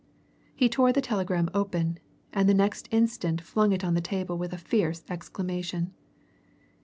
He tore the telegram open, and the next instant flung it on the table with a fierce exclamation.